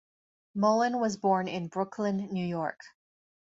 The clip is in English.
Mullin was born in Brooklyn, New York.